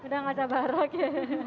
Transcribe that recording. udah gak sabar oke